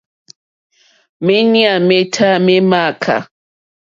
Méɲá métâ mé !mááká.